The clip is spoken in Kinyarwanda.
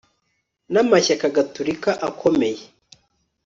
n'amashyaka gatolika akomeye